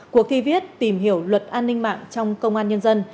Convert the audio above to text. cuộc thi viết tìm hiểu luật an ninh mạng trong công an nhân dân